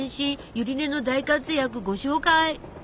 ゆり根の大活躍ご紹介！